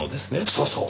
そうそう！